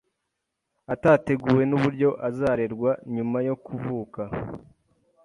atateguwe n’uburyo azarerwa nyuma yo kuvuka